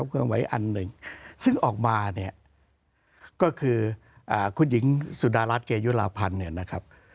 ความขึ้นไหวอันหนึ่งซึ่งออกมาเนี่ยก็คืออ่าคุณหญิงสุดารัสเกยุราพันธุ์เนี่ยนะครับ